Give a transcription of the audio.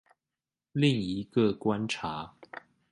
另一個觀察